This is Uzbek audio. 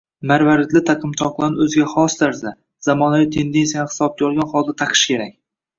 Marvaridli taqinchoqlarni o‘ziga xos tarzda, zamonaviy tendensiyalarni hisobga olgan holda taqish kerak